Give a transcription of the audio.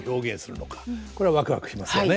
これはワクワクしますよね。